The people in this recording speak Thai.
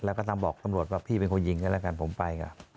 และก็ทำบอกตำรวจว่าพี่เป็นคนยิงเท่าไรกันผมไปก็